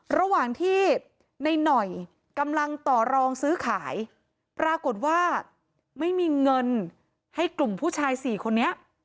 ระหว่างที่ในหน่อยกำลังต่อรองซื้อขายปรากฏว่าไม่มีเงินให้กลุ่มผู้ชายสี่คนนี้